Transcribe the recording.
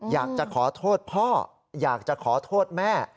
อยากจะขอโทษพ่ออยากจะขอโทษแม่